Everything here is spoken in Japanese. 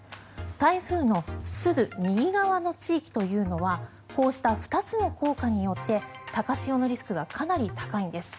台風のすぐ右側の地域というのはこうした２つの効果によって高潮のリスクがかなり高いんです。